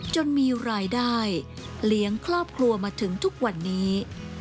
จนมีรายได้เลี้ยงครอบครัวมาถึงทุกวันนี้